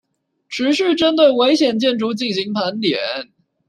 持續針對危險建築進行盤點